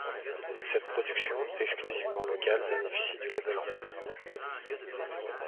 Cette production exclusivement locale bénéficie du Label Rouge.